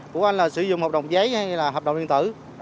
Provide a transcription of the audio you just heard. của anh là sử dụng hợp đồng giấy hay là hợp đồng điện tử